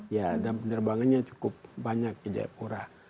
ya dan penerbangannya cukup banyak di jayapura